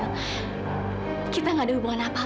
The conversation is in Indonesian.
aku ingin menegaskan bahwa hubungan aku sama fadil